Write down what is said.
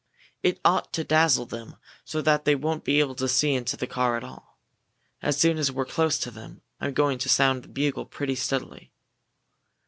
It ought to dazzle them so that they won't be able to see into the car at all. As soon as we're close to them, I'm going to sound the bugle pretty steadily."